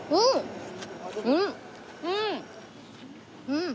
うん！